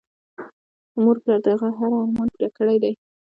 مور پلار د هغه هر ارمان پوره کړی دی